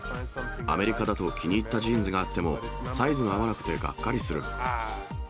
アメリカだと気に入ったジーンズがあっても、サイズが合わなくてがっかりする。